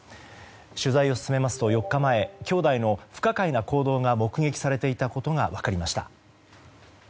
取材を進めますと４日前きょうだいの不可解な行動が目撃されていたことが分かりました。